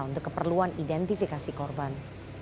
untuk keperluan identifikasi korban